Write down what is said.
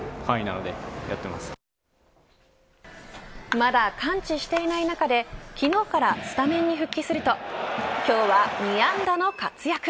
まだ完治していない中で昨日からスタメンに復帰すると今日は２安打の活躍。